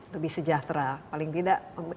lebih sejahtera paling tidak